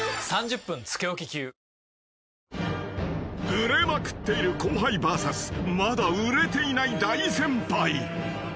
［売れまくっている後輩ＶＳまだ売れていない大先輩］